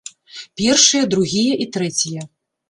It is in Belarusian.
Першыя, другія і трэція.